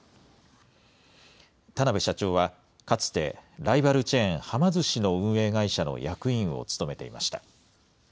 田邊社長はかつてライバルチェーン、はま寿司の運営会社の役員を務めていました。